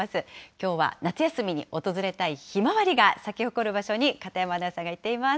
きょうは夏休みに訪れたい、ひまわりが咲き誇る場所に片山アナウンサーが行っています。